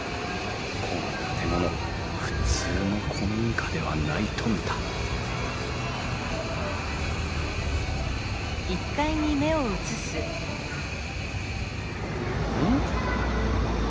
この建物普通の古民家ではないと見たうん？